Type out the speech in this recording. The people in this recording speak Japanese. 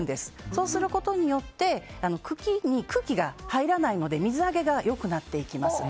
そうすることによって茎に空気が入らないので水揚げがよくなっていきます。